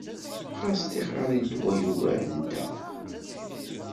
Xas tixeṛ i ddwa yugaren dda.